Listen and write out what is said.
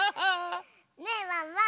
ねえワンワン！